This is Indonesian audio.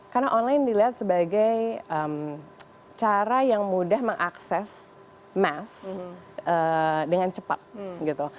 karena online dilihat sebagai cara yang mudah mengakses mass dengan cepat gitu